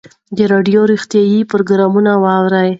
د راډیو روغتیایي پروګرامونه واورئ.